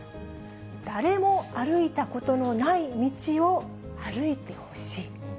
誰も歩いたことのない道を歩いてほしい。